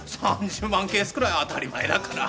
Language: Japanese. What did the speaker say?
３０万ケースくらい当たり前だから。